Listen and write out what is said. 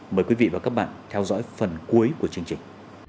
mời quý vị và các bạn theo dõi phần cuối của chương trình